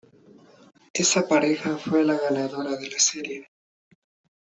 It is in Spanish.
Esa pareja fue la ganadora de la serie.